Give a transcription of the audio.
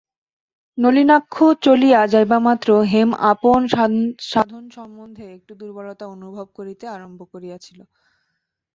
নলিনাক্ষ চলিয়া যাইবামাত্র হেম আপন সাধনসম্বন্ধে একটু দুর্বলতা অনুভব করিতে আরম্ভ করিয়াছিল।